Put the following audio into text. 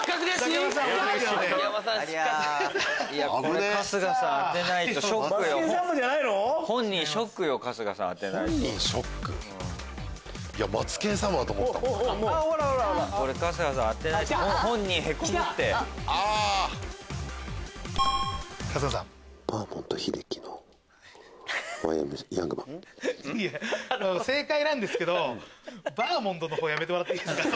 ピンポン正解なんですけどバーモントの方やめてもらっていいですか。